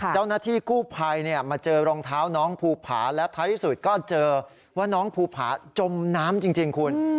เจ้าหน้าที่กู้ภัยมาเจอรองเท้าน้องภูผาและท้ายที่สุดก็เจอว่าน้องภูผาจมน้ำจริงคุณ